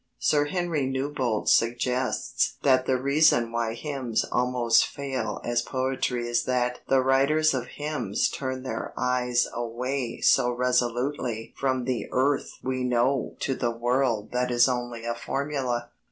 Sir Henry Newbolt suggests that the reason why hymns almost always fail as poetry is that the writers of hymns turn their eyes away so resolutely from the earth we know to the world that is only a formula.